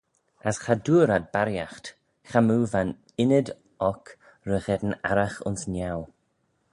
As cha dooar ad barriaght, chamoo va'n ynnyd oc ry-gheddyn arragh ayns niau.